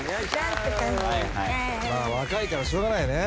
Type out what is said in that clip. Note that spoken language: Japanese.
若いからしょうがないよね。